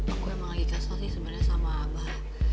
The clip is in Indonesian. aku emang lagi jasa sih sebenarnya sama abah